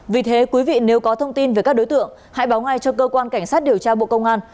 vì thế quý vị nếu có thông tin về các đối tượng hãy báo ngay cho cơ quan cảnh sát điều tra bộ công an